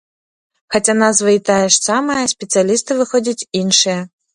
Хаця назва і тая ж самая, спецыялісты выходзяць іншыя.